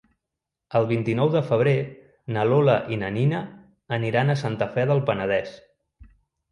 El vint-i-nou de febrer na Lola i na Nina aniran a Santa Fe del Penedès.